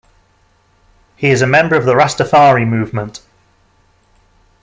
He is a member of the Rastafari movement.